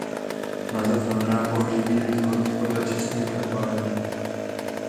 Název znamená "pohoří bílých vod" podle četných vodopádů.